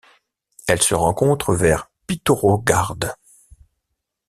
Elle se rencontre vers Pittorogarh.